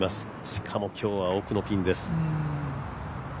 しかも今日は奥のピンです。